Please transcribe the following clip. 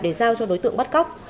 để giao cho đối tượng bắt góc